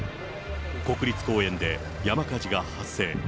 国立公園で山火事が発生。